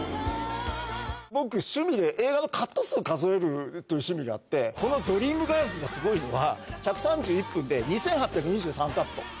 僕、趣味で映画のカット数数えるという趣味があって、このドリームガールズがすごいのは、１３１分で２８２３カット。